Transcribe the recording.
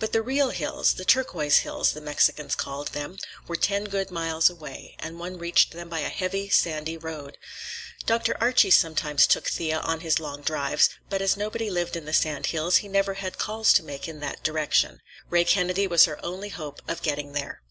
But the real hills—the Turquoise Hills, the Mexicans called them—were ten good miles away, and one reached them by a heavy, sandy road. Dr. Archie sometimes took Thea on his long drives, but as nobody lived in the sand hills, he never had calls to make in that direction. Ray Kennedy was her only hope of getting there.